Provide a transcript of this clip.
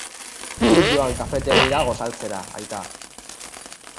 Zu joan kafetegira gosaltzera, aita.